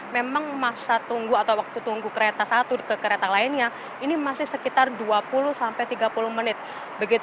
memang masa tunggu atau waktu tunggu kereta satu ke kereta lainnya ini masih sekitar dua puluh sampai tiga puluh menit